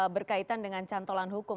berkaitan dengan cantolan hukum